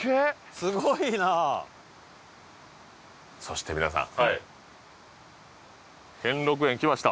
すごいなそしてみなさんはい兼六園来ました